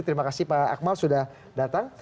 terima kasih pak akmal sudah datang